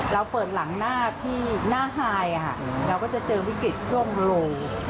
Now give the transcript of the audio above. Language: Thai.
เราเปิดหลังหน้าที่หน้าไฮเราก็จะเจอวิกฤตช่วงลง